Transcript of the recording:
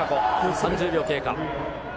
３０秒経過。